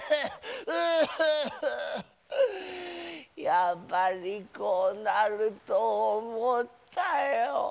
やっぱりこうなるとおもったよぉ。